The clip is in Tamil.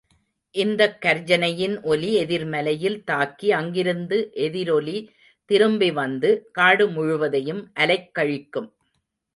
இந்தக் கர்ஜனையின் ஒலி எதிர் மலையில் தாக்கி அங்கிருந்து எதிரொலி திரும்பி வந்து, காடு முழுவதையும் அலைக்கழிக்கும்.